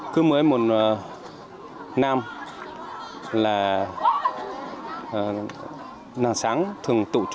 cứ mới một ngày đồng bào nhân dân làm một ngày để cho tất cả đồng bào nhân dân cùng vui chơi